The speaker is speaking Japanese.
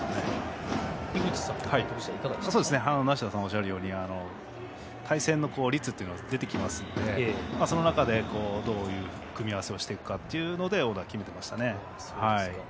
そういうものを加味しながら対戦の率が出てきますのでその中で、どういう組み合わせをしていくかという中でオーダーを決めていましたね。